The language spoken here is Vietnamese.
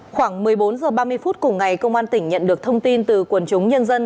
khoảng một mươi bốn h ba mươi phút cùng ngày công an tỉnh nhận được thông tin từ quần chúng nhân dân